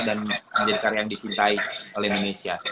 dan menjadi karya yang dikintai oleh indonesia